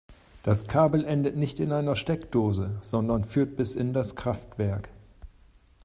Das Kabel endet nicht in einer Steckdose, sondern führt bis in das Kraftwerk.